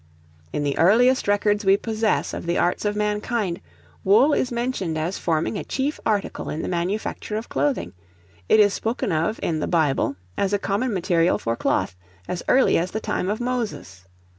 In the earliest records we possess of the arts of mankind, wool is mentioned as forming a chief article in the manufacture of clothing; it is spoken of in the Bible, as a common material for cloth, as early as the time of Moses.